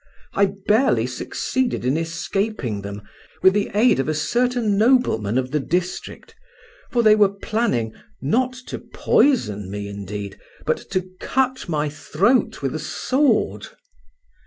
I barely succeeded in escaping them, with the aid of a certain nobleman of the district, for they were planning, not to poison me indeed, but to cut my throat with a sword.